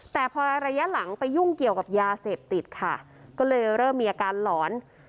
แต่พอระยะหลังไปยุ่งเกี่ยวกับยาเสพติดค่ะก็เลยเริ่มมีอาการหลอน